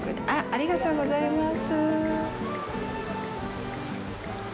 ありがとうございます。